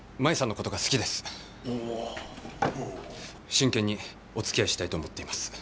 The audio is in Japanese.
真剣におつきあいしたいと思っています。